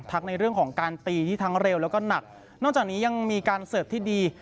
ในเรื่องของการตีที่ทั้งเร็วแล้วก็หนักนอกจากนี้ยังมีการเสิร์ฟที่ดี